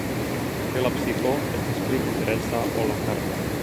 Kaj la psiko estas pli interesa ol la karno.